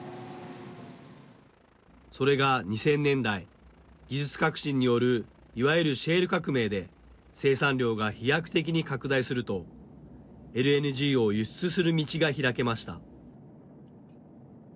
それが２０００年代技術革新によるいわゆるシェール革命で生産量が飛躍的に拡大するとＬＮＧを輸出する道が開けました。